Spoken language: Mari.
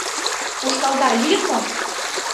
— Ушкалда лийын мо?